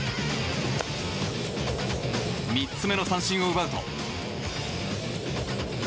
３つ目の三振を奪うと。